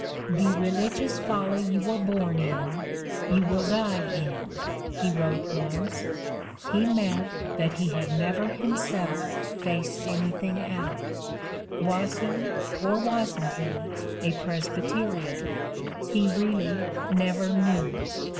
"The religious folly you were born in you will die in." he wrote once: he meant that he had never himself faced anything out. "Was he, or wasn't he, a Presbyterian? He really never knew.